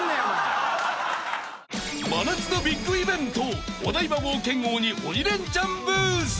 ［真夏のビッグイベントお台場冒険王に『鬼レンチャン』ブース！］